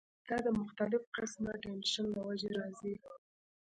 دا د مختلف قسمه ټېنشن له وجې راځی